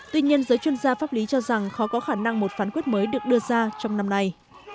tuy nhiên giới chuyên gia pháp lý cho rằng khó có khả năng một phán quyết mới được đưa ra trong năm nay